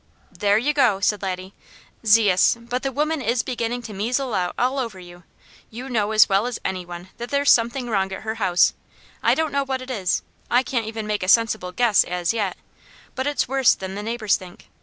"There you go!" said Laddie. "Zeus, but the woman is beginning to measle out all over you! You know as well as any one that there's something wrong at her house. I don't know what it is; I can't even make a sensible guess as yet, but it's worse than the neighbours think.